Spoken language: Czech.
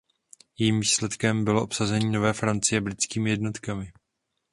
Jejím výsledkem bylo obsazení Nové Francie britskými jednotkami.